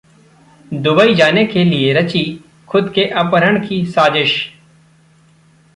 Dubai जाने के लिए रची खुद के अपहरण की साजिश